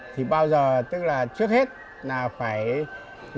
thì bao giờ tức là trước hết là phải